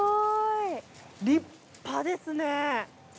立派ですね。